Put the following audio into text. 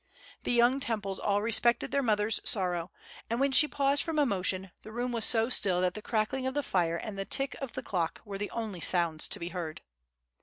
The young Temples all respected their mother's sorrow, and when she paused from emotion the room was so still that the crackling of the fire and the tick of the clock were the only sounds to be heard.